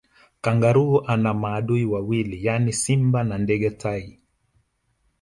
Kangaroo ana maadui wawili yaani simba na ndege tai